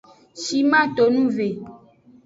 Shiman tonu ve.